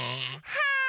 はい！